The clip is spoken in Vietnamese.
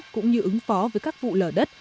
cũng như ứng phó với các vụ lở đất